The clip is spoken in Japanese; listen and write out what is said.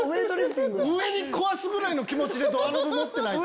上に壊すぐらいの気持ちでドアノブ持ってないと。